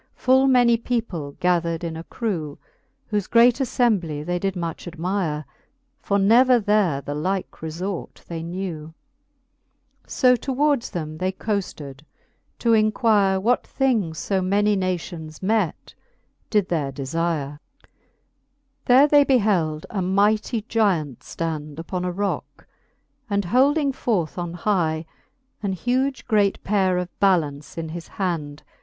Full many people gathered in a crew ; Whofe great affembly they did much admire. For never there the like refort they knew. So towardes them they coafted, to enquire What thing fo many nations met did there defire. Vol. III. E XXX. There ±6 Tbe fifth Booke of Canto II. XXX. There they beheld a mighty gyant ftand Upon a rocke, and holding forth on hie An huge great paire of ballance in his hand.